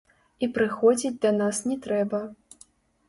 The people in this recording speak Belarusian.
І прыходзіць да нас не трэба.